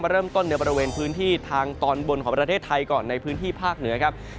เริ่มต้นในบริเวณพื้นที่ทางตอนบนของประเทศไทยก่อนในพื้นที่ภาคเหนือครับ